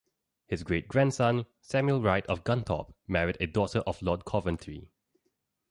His great-grandson, Samuel Wright of Gunthorpe, married a daughter of Lord Coventry.